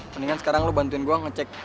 mendingan sekarang lu bantuin gue ngecek